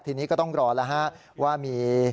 ทีนี้ก็ต้องรอแล้วฮะว่ามี